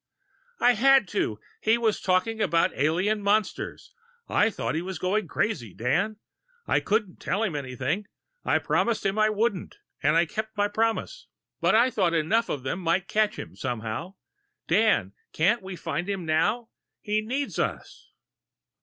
"I had to he was talking about alien monsters. I thought he was going crazy, Dan. I couldn't tell him anything I promised him I wouldn't, and I kept my promise. But I thought enough of them might catch him, somehow.... Dan, can't we find him now? He needs us!"